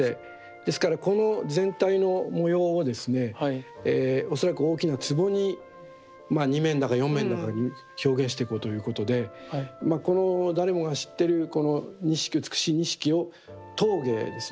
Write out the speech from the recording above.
ですからこの全体の模様をですね恐らく大きなつぼに２面だか４面だかに表現していこうということでこの誰もが知ってるこの錦美しい錦を陶芸ですね